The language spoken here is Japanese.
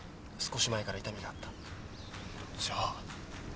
じゃあ。